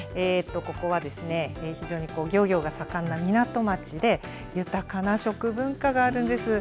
ここは非常に漁業が盛んな港町で、豊かな食文化があるんです。